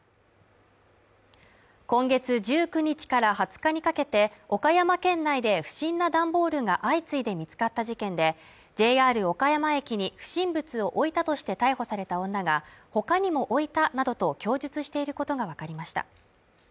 今月１９日から２０日にかけて岡山県内で不審な段ボールが相次いで見つかった事件で、ＪＲ岡山駅に不審物を置いたとして逮捕された女が他にも置いたなどと供述していることがわかりました。